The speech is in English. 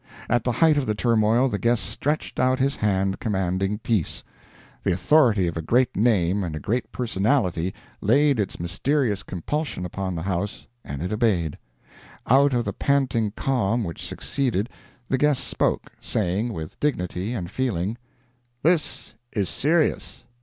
At the height of the turmoil the guest stretched out his hand, commanding peace. The authority of a great name and a great personality laid its mysterious compulsion upon the house, and it obeyed. Out of the panting calm which succeeded, the guest spoke, saying, with dignity and feeling, "This is serious.